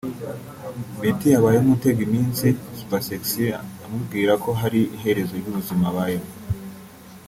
Betty yabaye nk’utega iminsi Super Sexy amubwira ko hari iherezo ry’ubuzima abayemo